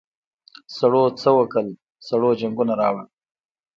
سړو څه وکل سړو جنګونه راوړل.